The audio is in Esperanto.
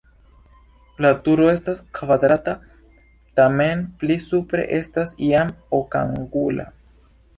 La turo estas kvadrata, tamen pli supre estas jam okangula.